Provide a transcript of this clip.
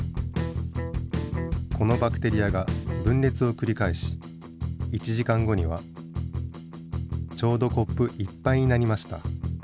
このバクテリアが分れつをくり返し１時間後にはちょうどコップ一ぱいになりました。